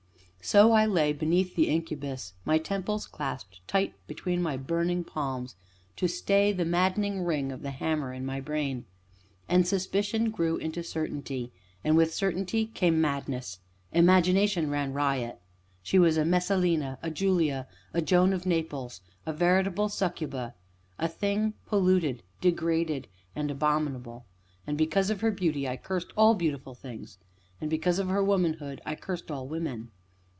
So I lay beneath the incubus, my temples clasped tight between my burning palms to stay the maddening ring of the hammer in my brain. And suspicion grew into certainty, and with certainty came madness; imagination ran riot: she was a Messalina a Julia a Joan of Naples a veritable Succuba a thing polluted, degraded, and abominable; and, because of her beauty, I cursed all beautiful things, and because of her womanhood, I cursed all women.